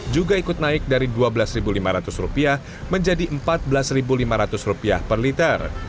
juga ikut naik dari rp dua belas lima ratus menjadi rp empat belas lima ratus per liter